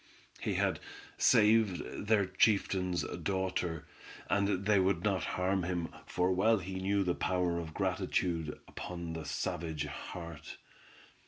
He had saved their chieftain's daughter, and they would not harm him, for well he knew the power of gratitude upon the savage heart.